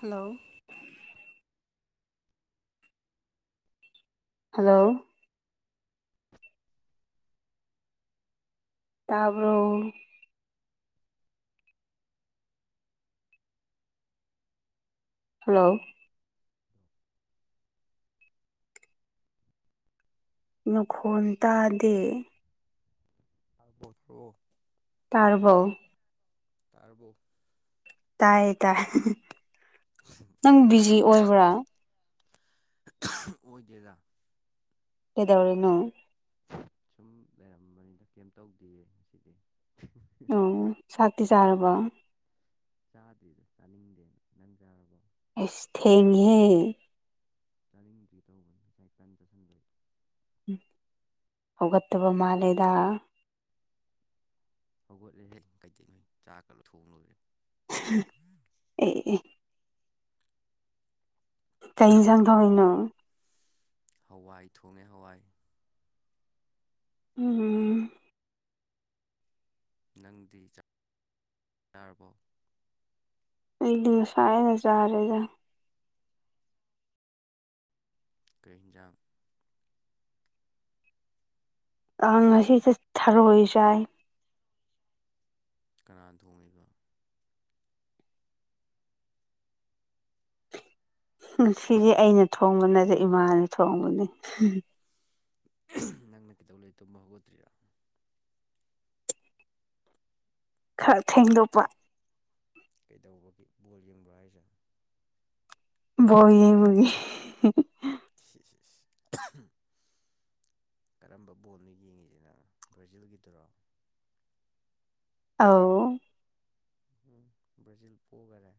hello hello ꯇꯥꯔꯕꯣ hello ꯅ ꯈꯣꯟ ꯇꯥꯗꯦ ꯊ꯭ꯔꯣ ꯇꯥꯔꯕꯣ ꯇꯥꯕꯨꯣ ꯇꯥꯏ ꯇꯥꯏ ꯅꯪ ꯕꯤꯖꯤ ꯑꯣꯏꯕ꯭ꯔꯥ ꯑꯣꯏꯒꯥ ꯀꯗꯧꯔꯦꯅ ꯁꯨꯝ ꯂꯩꯔꯝꯕꯅꯤꯅ ꯀꯩꯝ ꯇꯧꯗꯦꯌꯦ ꯉꯁꯤꯗꯤ ꯑꯣ ꯆꯥꯛꯇꯤ ꯆꯥꯔꯕꯣ ꯆꯥꯗ꯭ꯔꯤꯗ ꯆꯥꯅꯤꯡꯗꯦꯅ ꯅꯪ ꯆꯥꯔꯕꯣ ꯁ ꯊꯦꯡꯍꯦ ꯆꯥꯅꯤꯡꯗ꯭ꯔꯤ ꯇꯧꯕꯅꯤ ꯉꯁꯥꯏ ꯀꯟ ꯆꯥꯁꯤꯟꯗꯦ ꯍꯒꯠ ꯇꯕ ꯃꯥꯂꯗ ꯍꯧꯒꯠꯂꯦ ꯍꯌꯦꯡ ꯀꯩꯗ ꯅꯣꯏ ꯆꯥꯛꯀ ꯂꯨ ꯊꯣꯡ ꯂꯣꯏꯨꯔꯦ ꯑꯦ ꯀꯩ ꯏꯟꯁꯥꯡ ꯊꯣꯡꯅꯣ ꯍꯋꯥꯏ ꯊꯣꯡꯉꯦ ꯍꯋꯥꯏ ꯎ ꯅꯪꯗꯤ ꯌꯥꯔꯕꯣ ꯏꯗꯤꯁꯥꯑ ꯅꯖꯥꯔꯦꯗ ꯀꯍꯤꯖꯥꯡ ꯑ ꯉꯁꯤ ꯆ ꯊꯥꯔ ꯍꯁꯥꯏ ꯀꯅꯥ ꯊꯣꯡꯉꯃꯤꯕ ꯁꯤꯁꯦ ꯑꯩꯅ ꯊꯣꯡꯕ ꯅꯠꯇ꯭ꯔꯦ ꯏꯃꯥꯅ ꯊꯣꯡꯕꯅꯤ ꯅꯪꯅ ꯀꯩꯇꯧ ꯂꯩ ꯇꯨꯝꯝꯕ ꯍꯧꯒꯠꯇ꯭ꯔꯤꯔꯥ ꯈꯔ ꯊꯦꯡꯗꯣꯛꯄ ꯀꯩꯗꯧꯕꯒꯤ ꯕꯣꯜ ꯌꯦꯡꯕ ꯍꯥꯏꯁꯦ ꯕꯕꯨꯒꯤꯦ [inaudible] ꯀꯔꯝꯕ ꯕꯣꯜꯅꯣ ꯌꯦꯡꯉꯤꯁꯤꯅ ꯕ꯭ꯔꯥꯖꯤꯜꯒꯤꯗꯨꯔꯣ ꯑ ꯎ ꯕ꯭ꯔꯥꯖꯤꯜ ꯄꯣꯛꯈꯔꯦ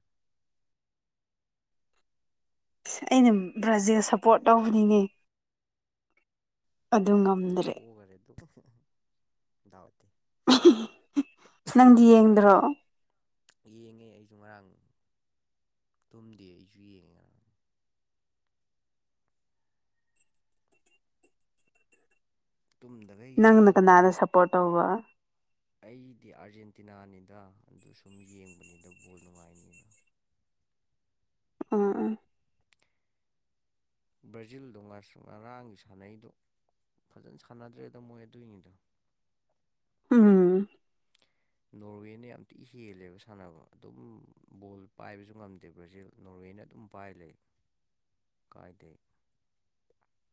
ꯑꯩꯅ ꯕ꯭ꯔꯖꯦꯜ ꯁꯞꯄꯣꯔꯠ ꯇꯧꯅꯤꯡꯉ ꯀꯣ ꯈꯔꯦ ꯇ ꯅꯪꯗꯤ ꯌꯦꯡꯗ꯭ꯔꯣ ꯌꯦꯡꯉꯦ ꯑꯩꯁꯨ ꯉꯔꯥꯡ ꯇꯨꯝꯗꯦ ꯑꯩꯁꯨ ꯌꯦꯡꯉꯦ ꯇꯨꯝꯗꯒ ꯅꯪ ꯌꯦꯡꯉꯒ ꯅꯔ ꯁꯄꯣꯎꯕ ꯑꯩꯗꯤ ꯑꯥꯔꯖꯦꯟꯇꯤꯅꯥꯅꯤꯗ ꯑꯗꯨ ꯁꯨꯝ ꯌꯦꯡꯕꯅꯤꯗ ꯕꯣꯜ ꯅꯨꯡꯉꯥꯏꯅꯤꯉꯤꯅ [inaudible] ꯑꯥ ꯑ ꯕ꯭ꯔꯥꯖꯤꯜꯗꯣ ꯉꯔꯥꯡꯒꯤ ꯁꯥꯟꯅꯩꯗꯨꯣ ꯐꯖꯅ ꯁꯥꯟꯅꯗ꯭ꯔꯦꯗꯣ ꯃꯣꯏ ꯑꯗꯨꯏꯅꯤꯗꯣ ꯎꯝ ꯅꯣꯔꯋꯦꯅ ꯌꯥꯝꯤꯛ ꯍꯦꯜꯂꯦꯕ ꯁꯥꯟꯅꯕ ꯑꯗꯨꯝ ꯕꯣꯜ ꯄꯥꯏꯕꯁꯨ ꯉꯝꯗꯦꯕ꯭ꯔ ꯅꯣꯔꯋꯦꯅ ꯑꯗꯨꯝ ꯄꯥꯏ ꯂꯩ ꯀꯥꯏꯗꯦ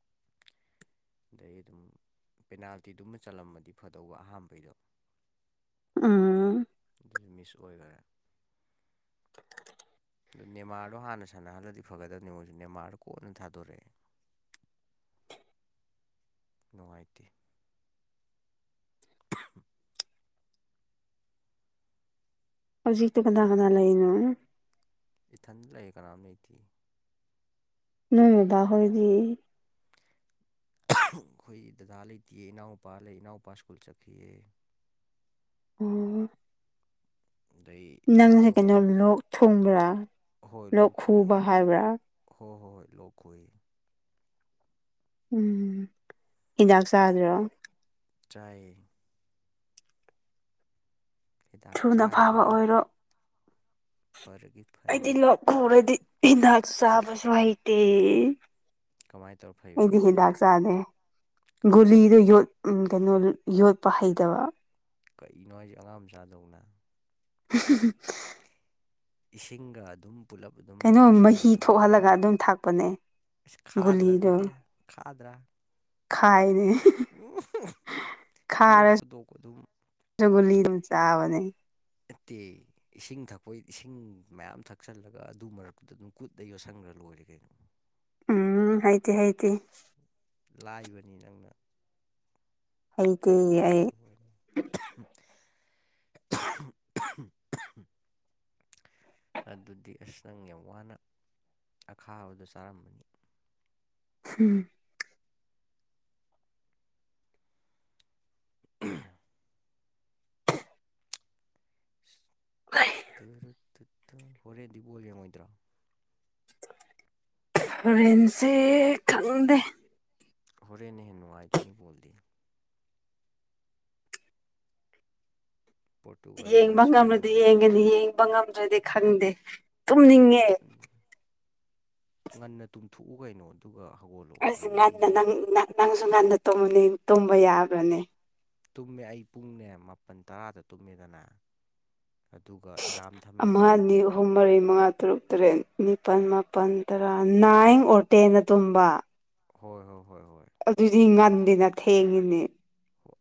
[inaudible] ꯑꯗꯩ ꯑꯗꯨꯝ ꯄꯦꯅꯥꯜꯇꯤꯗꯨꯃ ꯆꯜꯂꯝꯃꯗꯤ ꯐꯗꯧꯕ ꯑꯍꯝꯕꯩꯗꯣ ꯎꯝ ꯑꯗꯨꯁꯨ ꯃꯤꯁ ꯑꯣꯏꯈꯔꯦ ꯑꯗꯨ ꯅꯦꯃꯥꯔꯗꯣ ꯍꯥꯟꯅ ꯁꯥꯟꯅꯍꯜꯂꯗꯤ ꯐꯒꯗꯕꯅꯤ ꯃꯣꯏꯁꯨ ꯅꯦꯃꯥꯔꯗ ꯀꯣꯟꯠꯅ ꯊꯥꯗꯣꯔꯛꯑꯦ [unintelligible] ꯅꯨꯡꯉꯥꯏꯇꯦ ꯍꯧꯖꯤꯛꯇ ꯀꯅꯥ ꯀꯅꯥ ꯂꯩꯅꯣ ꯏꯊꯟ ꯂꯩꯦ ꯀꯅꯥꯝ ꯂꯩꯇꯦ ꯅꯪꯃꯤꯗꯥ ꯍꯣꯏꯗꯤ ꯑꯩꯈꯣꯏ ꯗꯗꯥ ꯂꯩꯇꯦꯑ ꯏꯅꯥꯎꯅꯨꯄꯥ ꯂꯩ ꯏꯅꯥꯎꯄꯥ ꯁ꯭ꯀꯨꯜ ꯆꯠꯈꯤꯑ ꯑꯣ ꯑꯗꯩ ꯅꯪꯁꯦ ꯏꯃꯥꯒꯕ ꯀꯩꯅꯣ ꯂꯣꯛ ꯊꯨꯡꯕ꯭ꯔꯥ ꯂꯣꯛ ꯈꯨꯕ ꯍꯥꯏꯕ꯭ꯔꯥ ꯂꯣꯛꯈꯣꯏ ꯎꯝ ꯍꯤꯗꯥꯛ ꯆꯥꯗ꯭ꯔꯣ ꯆꯥꯏ ꯍꯤꯗꯥꯛ ꯊꯨꯅ ꯐꯥꯕ ꯆꯥꯔꯤꯕꯅꯤ ꯑꯣꯏꯔꯣ ꯐꯔꯒꯦ ꯑꯩꯗꯤ ꯐꯔꯒꯦ ꯂꯣꯛꯈꯔꯗꯤ ꯍꯤꯗꯥꯛꯁꯨ ꯆꯥꯕꯁꯨ ꯍꯩꯇꯦ ꯀꯃꯥꯏꯅ ꯇꯧꯔ ꯐꯩꯕ ꯑꯩꯗꯤ ꯑꯗꯨꯗꯤ ꯍ ꯗꯒ ꯆꯗꯦ ꯀꯃꯥꯏꯅ ꯇꯧꯔ ꯨꯂꯤꯗ ꯐꯩ ꯌ ꯀꯩꯅꯣ ꯌꯣꯠꯄ ꯍꯩꯇꯕ ꯀꯔꯤꯅꯣ ꯍꯥꯏꯁꯦ ꯑꯉꯥꯡ ꯃꯆꯥꯗꯧꯅ [unintelligible] ꯏꯁꯤꯡꯒ ꯑꯗꯨꯝ ꯄꯨꯂꯞ ꯑꯗꯨꯝ ꯀꯩꯅꯣ ꯌꯣꯠꯁꯟꯒꯦ ꯃꯍꯤ ꯇꯧꯕꯗꯨꯕꯨ ꯊꯣꯛꯍꯜꯂꯒ ꯑꯗꯨꯝ ꯊꯥꯛꯄꯅꯦ ꯑꯁ ꯈꯥꯗ꯭ꯔꯥ ꯒꯨꯂꯤꯗꯣ ꯑꯗꯨꯗꯤ ꯈꯥꯗ꯭ꯔꯥ ꯈꯥꯏꯅꯦ ꯎꯝ ꯌꯣꯠ ꯐꯨꯗꯣꯛꯄ ꯑꯗꯨꯝ ꯈꯥꯔꯁꯨꯒꯨꯂꯤ ꯑꯗꯨꯝ ꯆꯥꯕꯅꯦ ꯅꯠꯇꯦ ꯏꯁꯤꯡ ꯊꯛꯄ ꯏꯁꯤꯡ ꯃꯌꯥꯝ ꯊꯛꯆꯜꯂꯒ ꯑꯗꯨ ꯃꯔꯛꯇꯨꯗ ꯑꯗꯨꯝ ꯀꯨꯠꯇ ꯌꯣꯠꯁꯪꯉ ꯎꯝ ꯍꯥꯏꯥꯏꯇ ꯍꯥꯏꯥꯏꯇ ꯂꯥꯏꯕꯅꯤ ꯅꯪꯅ ꯍꯩꯇꯦ ꯍꯥꯏꯇꯦꯅ ꯑꯩ ꯇꯧꯕꯅꯦ [unintelligible] ꯑꯗꯨꯗꯤ ꯑꯁ ꯅꯪ ꯌꯥꯝ ꯋꯥꯅ ꯑꯈꯥꯕꯗ ꯆꯥꯔꯝꯕꯅꯤ ꯎꯝ [unintelligible] ꯍꯣꯔꯦꯗꯤꯕꯣꯜ ꯌꯥ ꯃꯣꯏꯗ꯭ꯔꯥ ꯐ꯭ꯔꯦꯟꯁꯦ ꯈꯪꯗꯦ ꯍꯣꯔꯦꯟꯅꯦꯍꯦ ꯅꯨꯡꯉꯥꯏꯗꯣꯏꯅꯦꯕꯣꯜꯗꯤ ꯄꯣꯔꯇꯨꯒꯜꯒ ꯌꯦꯡꯕ ꯉꯝꯂꯗꯤ ꯏꯁꯄꯦꯟꯒ ꯌꯦꯡꯒꯅꯤ ꯌꯦꯡꯕ ꯉꯝꯗ꯭ꯔꯗꯤ ꯈꯪꯗꯦ ꯇꯨꯝꯅꯤꯡꯉꯦ ꯉꯟꯅ ꯇꯨꯝꯊꯣꯛꯎ ꯀꯩꯅꯣ ꯑꯗꯨꯒ ꯑꯩꯁꯨ ꯍꯧꯒꯠꯂꯛꯑꯣ ꯉꯟꯅ ꯍꯧꯒꯠꯂ ꯌꯦꯡꯉꯣ ꯅ ꯅꯪꯁꯨ ꯉꯟꯅ ꯇꯨꯝꯕ ꯌꯥꯕ꯭ꯔꯅꯦ ꯇꯨꯝꯃꯦ ꯑꯩ ꯄꯨꯡꯅꯦ ꯃꯥꯄꯜ ꯇꯔꯥꯗ ꯇꯨꯝꯃꯦꯗꯅ ꯑꯗꯨꯒ ꯑꯦꯂꯥꯔꯝ ꯑꯃ ꯊꯝꯃꯦꯗꯅ ꯑꯅꯤ ꯑꯍꯨꯝ ꯃꯔꯤ ꯃꯉꯥ ꯇꯔꯨꯛ ꯇꯔꯦꯠ ꯅꯤꯄꯥꯜ ꯃꯥꯄꯜ ꯇꯔꯥ ꯅꯥꯏꯟ ꯑꯣꯔ ꯇꯦꯟ ꯇꯨꯝꯕ ꯍꯣꯏ ꯍꯣꯏ ꯍꯣꯏ ꯍꯣꯏ ꯑꯗꯨꯗꯤ ꯉꯟꯗꯦꯅ ꯊꯦꯡꯉꯤꯅꯦ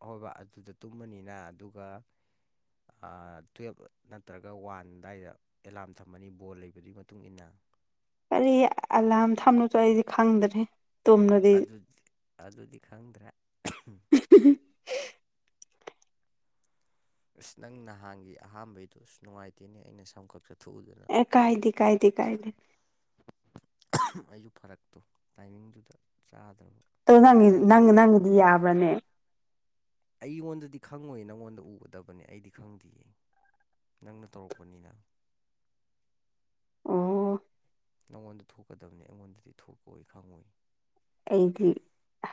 ꯍꯣꯏ ꯑꯗꯨꯗ ꯇꯨꯝꯃꯅꯤꯅ ꯑꯗꯨꯒ ꯇꯨꯋꯜꯞ ꯅꯠꯇ꯭ꯔꯒ ꯋꯥꯟ ꯑꯗꯨꯗꯥꯋꯥꯏꯗ ꯑꯦꯂꯥꯝ ꯊꯝꯃꯅꯤ ꯕꯣꯜ ꯂꯩꯕꯗꯨꯒꯤ ꯃꯇꯨꯡ ꯏ ꯃꯇꯨꯡꯏꯟꯅ ꯀꯔꯤ ꯑꯂꯥꯝ ꯊꯝꯂꯨꯗꯣ ꯑꯩꯁꯦ ꯈꯪꯗ꯭ꯔꯦ ꯇꯨꯝꯂꯗꯤ ꯑꯗꯨꯗꯤ ꯈꯪꯗ꯭ꯔꯦ ꯑꯁ ꯅꯪ ꯅꯍꯥꯟꯒꯤ ꯑꯍꯥꯝꯕꯩꯗꯣ ꯅꯨꯡꯉꯥꯏꯇꯦꯅꯦ ꯑꯩꯅ ꯁꯝ ꯆꯠꯊꯣꯛꯎꯗꯅ ꯑꯦ ꯀꯥꯏꯗꯤ ꯀꯥꯏꯗꯤ ꯀꯥꯏ ꯂꯩ ꯑꯩꯁꯨ ꯐꯔꯛꯇꯣ ꯇꯥꯏꯃꯤꯡꯗꯨꯗ ꯆꯥꯗ ꯑꯣ ꯅꯪ ꯅꯪ ꯅꯪꯗꯤ ꯌꯥꯕ꯭ꯔꯅꯦ ꯑꯩꯉꯣꯟꯗꯗꯤ ꯈꯪꯉꯣꯏ ꯅꯪꯉꯣꯟꯗ ꯎꯒꯗꯕꯅꯦ ꯑꯩꯗꯤ ꯈꯪꯗꯦꯌꯦ ꯅꯪꯅ ꯇꯧꯔꯛꯄꯅꯤꯅ [unintelligible] ꯅꯪꯉꯣꯟꯗ ꯊꯣꯛꯀꯗꯕꯅꯤ ꯑꯩꯉꯣꯟꯗꯗꯤ ꯊꯣꯛꯀꯑꯣꯏ ꯈꯪꯉꯏ ꯑꯩꯗꯤ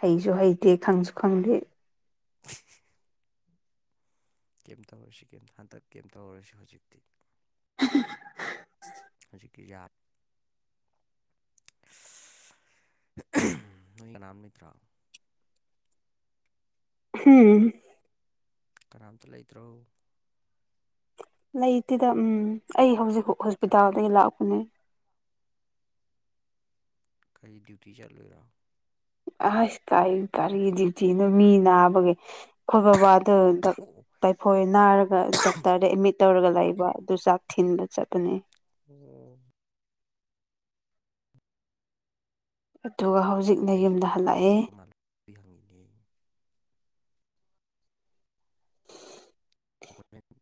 ꯍꯩꯁꯨ ꯍꯩꯇꯦ ꯈꯪꯁꯨ ꯈꯪꯗꯦ ꯀꯦꯝ ꯇꯧꯔꯁꯤ ꯍꯟꯗꯛ ꯀꯦꯝ ꯇꯧꯔꯨꯔꯁꯤ ꯍꯧꯖꯤꯛꯇꯤ ꯍꯧꯖꯤꯛꯀꯤ ꯌꯥꯠ ꯏ ꯅꯃꯤꯠ ꯔꯥ ꯍꯝ ꯀꯅꯥꯝꯇ ꯂꯩꯇ꯭ꯔꯣ ꯂꯩꯇꯦꯗ ꯎꯝ ꯑꯩ ꯍꯧꯖꯤꯛ ꯍꯣꯁꯄꯤꯇꯥꯜꯗꯒꯤ ꯂꯥꯛꯄꯅꯦ ꯀꯩ ꯗ꯭ꯌꯨꯇꯤ ꯆꯠꯂꯣꯏꯔꯥ ꯑꯁ ꯀꯥꯏ ꯀꯔꯤ ꯗꯇꯤꯅꯣ ꯃꯤ ꯅꯥꯕꯒꯤꯦ ꯑꯩꯈꯣꯏ ꯕꯕꯥꯗꯨ ꯑꯣ ꯇꯥꯏꯐꯣꯏ ꯅꯥꯔꯒ ꯗꯣꯛꯇꯔꯗ ꯑꯦꯃꯤꯠ ꯇꯧꯔꯒ ꯂꯩꯕ ꯑꯗꯨ ꯆꯥꯛ ꯊꯤꯟꯕ ꯆꯠꯄꯅꯤ ꯎꯝ ꯑꯗꯨꯒ ꯍꯧꯖꯤꯛꯅ ꯑꯩ ꯌꯨꯝꯗ ꯍꯜꯂꯛꯑꯦ ꯍꯪ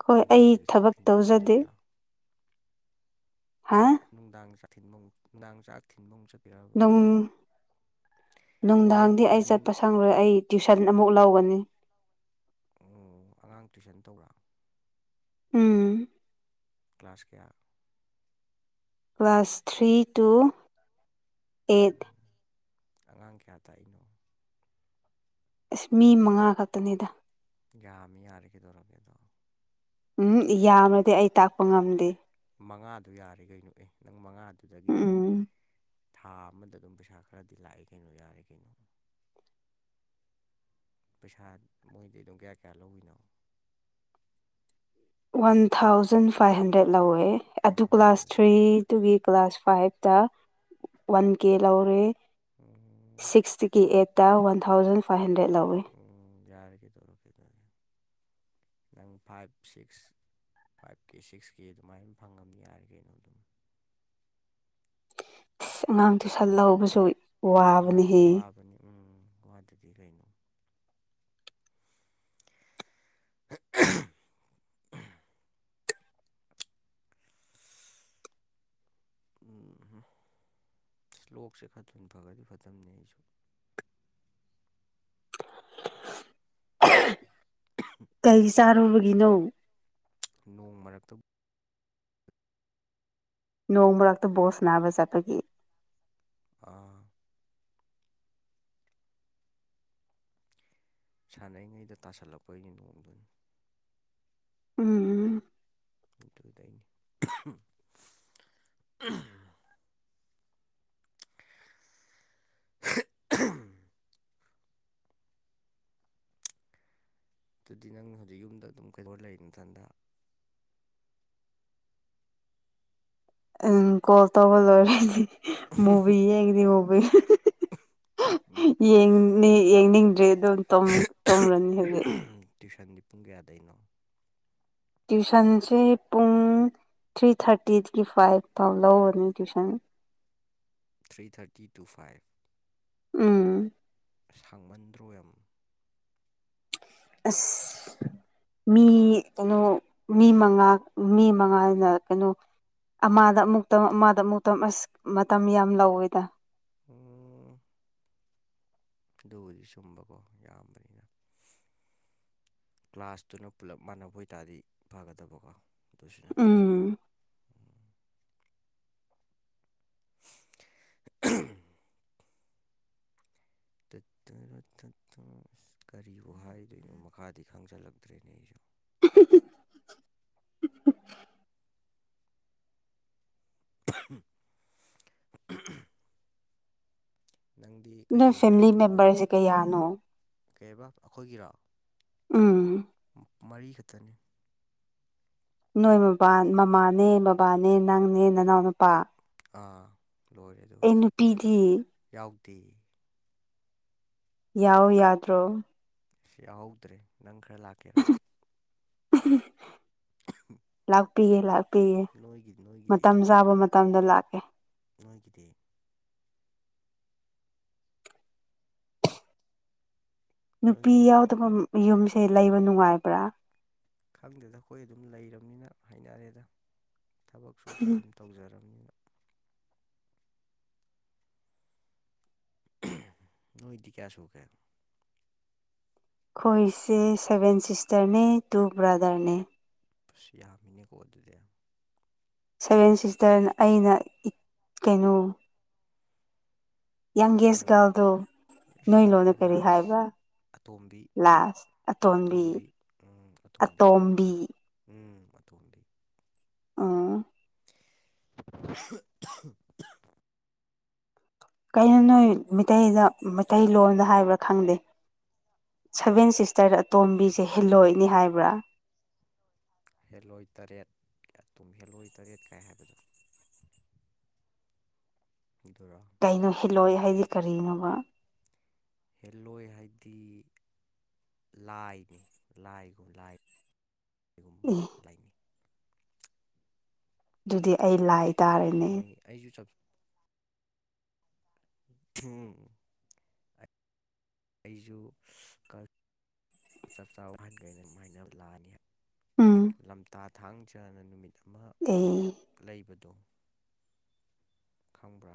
ꯍꯣꯏ ꯑꯩ ꯅꯨꯡꯗꯥꯡꯒꯤ ꯊꯕꯛ ꯊꯤꯟꯕ ꯇꯧꯖꯗꯦ ꯆꯠꯇꯣꯏꯔꯥ ꯍꯥ ꯊꯤꯟꯕꯨ ꯡ ꯆꯥꯛ ꯊꯤꯟꯕ ꯑꯃꯨꯛ ꯆꯠ ꯅꯨꯡ ꯍꯣꯔꯦꯟ ꯅꯨꯡꯗꯥꯡꯗꯤ ꯑꯩ ꯏꯚꯤꯅꯤꯡ ꯆꯠꯄ ꯁꯪꯪꯂꯣꯏ ꯑꯩ ꯇ꯭ꯋꯨꯤꯁꯟ ꯑꯃꯨꯛ ꯂꯧꯒꯅꯤ ꯑꯣ ꯑꯉꯥꯡ ꯇꯨꯏꯁꯟ ꯇꯧꯕ꯭ꯔꯥ ꯎꯝ ꯀ꯭ꯂꯥꯁ ꯀꯌꯥ ꯀ꯭ꯂꯥꯁ ꯊ꯭ꯔꯤ ꯇꯨ ꯑꯩꯠ ꯑꯉꯥꯡ ꯀꯌꯥ ꯇꯥꯛꯏꯅꯣ ꯑꯁ ꯃꯤ ꯃꯉꯥ ꯈꯛꯇꯅꯤꯗ ꯌꯥꯒꯃꯤ ꯌꯥꯔꯈꯤꯗꯧꯔꯛꯒꯦꯗꯣ ꯎꯝ ꯌꯥꯝꯃꯗꯤ ꯑꯩ ꯇꯥꯛꯄ ꯉꯝꯗꯦ ꯃꯉꯥꯗꯨ ꯌꯥꯔꯦ ꯀꯩꯅꯣ ꯑꯦ ꯅꯪ ꯃꯉꯥꯗꯨꯗꯒꯤ ꯅꯪ ꯎꯝ ꯊꯥ ꯑꯃꯗ ꯑꯗꯨꯝ ꯄꯩꯁꯥ ꯈꯔꯗꯤ ꯂꯥꯛꯑꯦ ꯀꯩꯅꯣ ꯌꯥꯔꯦ ꯀꯩꯅꯣ ꯄꯩꯁꯥ ꯃꯣꯏꯗꯤ ꯑꯗꯨꯝ ꯀꯌꯥ ꯀꯌꯥ ꯂꯧꯏꯅꯣ ꯋꯥꯟ ꯊꯥꯎꯖꯟ ꯐꯥꯏꯚ ꯍꯟꯗ꯭ꯔꯦꯗ ꯂꯧꯋꯦ ꯑꯗꯨ ꯀ꯭ꯂꯥꯁ ꯊ꯭ꯔꯤꯗꯨꯒꯤ ꯀ꯭ꯂꯥꯁ ꯐꯥꯏꯚꯇ ꯋꯥꯟ ꯀꯦ ꯂꯧꯔꯦ ꯎꯝ ꯁꯤꯛꯁꯀꯤ ꯑꯩꯠ ꯇ ꯋꯥꯟ ꯊꯥꯎꯖꯟ ꯐꯥꯏꯚ ꯍꯟꯗ꯭ꯔꯦꯗ ꯂꯧꯋꯏ ꯌꯥꯔꯒꯦ ꯇꯧꯔ ꯀꯦ ꯅꯪ ꯐꯥꯏꯚ ꯁꯤꯛꯁ ꯐꯥꯏꯚ ꯀꯦ ꯁꯤꯛꯁ ꯀꯦ ꯑꯗꯨꯃꯥꯏꯅ ꯐꯪꯉꯝ ꯌꯥꯔ ꯀꯩꯅꯣ ꯑꯗꯨꯝ ꯑ ꯑꯉꯥꯡꯗꯨ ꯁꯠ ꯂꯧꯕꯁꯨ ꯎꯏ ꯋꯥꯗꯤꯤ ꯋꯥꯕꯅꯤ ꯎꯝ ꯋꯥꯗꯗꯤ ꯀꯩꯅꯣ [unintelligible] [inaudible] ꯏꯁ꯭ꯂꯣꯛꯁꯦ ꯈ ꯊꯅ ꯐꯔꯗꯤ ꯐꯠꯇꯕꯅꯦ ꯑꯩꯁꯨ ꯕꯤꯅꯧ [inaudible] ꯅꯣꯡ ꯃꯔꯛꯇ ꯅꯣꯡ ꯃꯔ ꯃꯔꯛꯇ ꯕꯣꯁ ꯅꯥꯕ ꯆꯠꯄꯒꯤ ꯑ [unintelligible] [inaudible] ꯁꯥꯟꯅꯔꯤꯉꯩꯗ ꯇꯥꯁꯜꯂꯛꯄꯩꯅꯤ ꯅꯣꯡꯗꯨꯅꯤ ꯎꯝ ꯎꯝ [unintelligible] [inaudible] ꯇ [unintelligible] [inaudible] ꯑꯗꯨꯗꯤ ꯅꯪꯅ ꯍꯧꯖꯤꯛ ꯌꯨꯝꯗ ꯑꯗꯨꯝ ꯀꯩꯗꯧꯔ ꯂꯩ ꯊꯟꯗ ꯎꯝ ꯀꯣꯜ ꯇꯧꯕ ꯂꯣꯏꯔꯗꯤ ꯃꯨꯕꯤꯤ ꯌꯦꯡꯗꯤ ꯃꯨꯚꯤ ꯌꯦꯡ ꯌꯦꯡꯅꯤꯡ ꯑꯗꯨꯦ ꯑꯗꯨꯣ ꯇꯝ ꯇꯝꯕ꯭ꯔꯅꯤ ꯍꯦꯕꯦ ꯇ꯭ꯋꯏꯁꯟꯗꯤ ꯄꯨꯡ ꯀꯌꯥꯗꯩꯅꯣ ꯇ꯭ꯌꯨꯁꯟꯁꯦ ꯄꯨꯡ [inaudible] ꯊ꯭ꯔꯤ ꯊꯥꯔꯇꯤꯗꯒꯤ ꯐꯥꯏꯚ ꯐꯥꯎ ꯂꯧꯔꯅꯤ tuition three thirty two five ꯎꯝ ꯁꯥꯡꯃꯟꯗ꯭ꯔꯣꯏ ꯌꯥꯝꯝ ꯑꯁ ꯃꯤ ꯀꯩꯅꯣ ꯃꯤ ꯃꯉꯥ ꯃꯤ ꯃꯉꯥꯅ ꯀꯩꯅꯣ ꯑꯃꯗ ꯑꯃꯨꯛ ꯇ ꯑꯃꯗ ꯑꯃꯨꯛ ꯇꯪ ꯑꯁ ꯃꯇꯝ ꯌꯥꯝ ꯂꯧꯋꯦꯗ ꯎ [unintelligible] [inaudible] ꯑꯗꯨꯕꯨꯗꯤ ꯁꯨꯝꯕꯀꯣ ꯌꯥꯝꯌꯥꯝꯕꯅꯤꯅ ꯀ꯭ꯂꯥꯁꯇꯨꯅ ꯄꯨꯜꯂꯞ ꯃꯥꯟꯅꯕ ꯑꯣꯏ ꯇꯥꯔꯗꯤ ꯐꯒꯗꯕꯀꯣ ꯗꯨꯁꯅꯠꯇꯕ ꯎꯝ ꯇ ꯀꯔꯤꯕꯨ ꯍꯥꯏꯗꯣꯏꯅꯣ ꯃꯈꯥꯗꯤ ꯈꯪꯖꯤꯜꯂꯛꯇ꯭ꯔꯦꯅꯦ ꯑꯩꯁꯨ [unintelligible] [inaudible] [unintelligible] [inaudible] ꯅꯪꯗꯤ ꯅꯣꯏ ꯀꯩꯀꯩ ꯐꯦꯃꯤꯂꯤ ꯃꯦꯝꯕꯔꯁꯦ ꯀꯌꯥꯅꯣ ꯀꯩꯔꯕ ꯑꯩꯈꯣꯏꯒꯤꯔꯥ ꯑꯥ [unintelligible] [inaudible] ꯃꯔꯤꯈꯛꯇꯅꯤ ꯅꯣꯏ ꯃꯕꯥ ꯃꯃꯥꯅꯦ ꯕꯕꯥꯅꯦ ꯅꯪꯅꯦ ꯅꯅꯥꯎ ꯅꯨꯄꯥ ꯑꯥ ꯂꯣꯏꯔꯦ ꯑꯗꯨ ꯅꯨꯄꯤꯗꯤ ꯌꯥꯎꯗꯦ ꯌꯥꯎ ꯌꯥꯗ꯭ꯔꯣ ꯁꯤ ꯌꯥꯎꯍꯧꯗ꯭ꯔꯦ ꯅꯪ ꯈꯔ ꯂꯥꯛꯀꯦꯔꯣ ꯂꯥꯛꯄꯤꯒ ꯂꯥꯛꯄꯤ ꯄꯤꯌꯦ ꯅꯣꯏꯒꯤ ꯃꯇꯝ ꯆꯥꯕ ꯃꯇꯝꯗ ꯂꯥꯛꯀꯦ ꯅꯒꯤꯗꯤ ꯅꯨꯄꯤ ꯅꯣꯏꯒꯤꯗꯤ ꯌꯥꯎꯗꯕ ꯌꯨꯝꯁꯦ ꯂꯩꯕ ꯅꯨꯡꯉꯥꯏꯕ꯭ꯔꯥ ꯈꯪꯗꯦꯗ ꯑꯩꯈꯣꯏ ꯑꯗꯨꯝ ꯂꯩꯔꯕꯅꯤꯅ ꯍꯥꯏꯅꯔꯦꯗ ꯊꯕꯛꯁꯨ ꯑꯩꯈꯣꯏ ꯑꯗꯨꯝ ꯇꯧꯖꯔꯝꯅꯤꯅ ꯅ ꯏꯗꯤ ꯀꯌꯥ ꯁꯨ ꯀꯦ ꯑꯩꯈꯣꯏꯁꯦ ꯁꯚꯦꯟ ꯁꯤꯁꯇꯔꯅꯦ ꯇꯨ ꯕ꯭ꯔꯥꯗꯔꯅꯦ ꯑꯁ ꯌꯥꯝꯃꯤꯅꯦꯀꯣ ꯑꯗꯨꯗꯤ ꯁꯚꯦꯟ ꯁꯤꯁꯇꯔꯅ ꯑꯩꯅ ꯀꯩꯅꯣ ꯌꯥꯪꯒꯦꯁ ꯅꯣꯏꯅ ꯒꯥꯔꯜꯗꯣ ꯏꯁ ꯅꯣꯏ ꯅꯪ ꯂꯣꯅ ꯈ꯭ꯋꯥꯏ ꯀꯔꯤ ꯂꯥꯁ ꯍꯥꯏꯕ ꯑꯇꯣꯝꯕꯤ ꯂꯥꯁ ꯑꯇꯣꯟꯕꯤ ꯑꯇꯣꯝꯕꯤ ꯎꯝ ꯑꯇꯣꯝꯕꯤ ꯎꯝ ꯃꯊꯗꯤ ꯑꯥ [inaudible] ꯀꯥꯏꯅ ꯃꯤꯇꯩꯩꯗ ꯃꯩꯇꯩꯂꯣꯟꯗ ꯍꯥꯏꯕ꯭ꯔꯥ ꯈꯪꯗꯦ ꯁꯚꯦꯟ ꯁꯤꯛꯁ ꯆꯩꯔꯠ ꯀꯩ ꯑꯇꯣꯝꯕꯤꯁꯦ ꯍꯤꯜꯂꯣꯏꯅꯤ ꯍꯥꯏꯕ꯭ꯔꯥ ꯍꯦꯜꯂꯣꯏ ꯇꯔꯦꯠ ꯑꯗꯨꯨꯝ ꯍꯦꯜꯂꯣꯏ ꯇꯔꯦꯠ ꯀꯥꯏ ꯍꯥꯏꯕꯗꯣ ꯔꯥ ꯀꯩꯅꯣ ꯍꯤꯜꯂꯣꯏ ꯍꯥꯏꯗꯤ ꯀꯔꯤꯅꯣꯕ ꯍꯦꯜꯂꯣꯏ ꯍꯥꯏꯗꯤ ꯂꯥꯏꯅꯤ ꯂꯥꯏꯒꯨꯝ ꯂꯥꯏ ꯎꯝ ꯑꯗꯨꯗꯤ ꯑꯩ ꯂꯥꯏ ꯇꯥꯔꯦꯅꯦ ꯃꯣꯏ ꯑꯩꯁꯨ ꯊꯝ ꯑꯩꯁꯨ ꯆꯞ ꯆꯥꯕ ꯋꯥꯍꯟꯈꯦꯅ ꯑꯗꯨꯃꯥꯏꯅ ꯂꯥꯛꯑꯅꯤ ꯎꯝ ꯂꯝꯇꯥ ꯊꯥꯡ ꯆꯥꯅ ꯅꯨꯃꯤꯠ ꯑꯃ ꯑꯩ ꯂꯩꯕꯗꯣ ꯈꯕ꯭ꯔꯥ